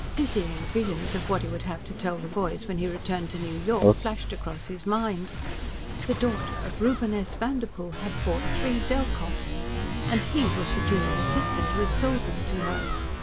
Dizzying visions of what he would have to tell "the boys" when he returned to New York flashed across his mind. The daughter of Reuben S. Vanderpoel had bought three Delkoffs, and he was the junior assistant who had sold them to her.